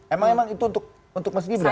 emang emang itu untuk mas gibran